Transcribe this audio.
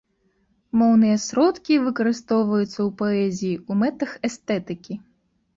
Моўныя сродкі выкарыстоўваюцца ў паэзіі ў мэтах эстэтыкі.